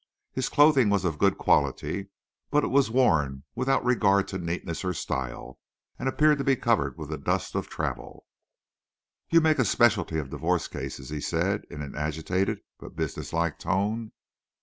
His clothing was of good quality, but it was worn without regard to neatness or style, and appeared to be covered with the dust of travel. "You make a specialty of divorce cases," he said, in, an agitated but business like tone.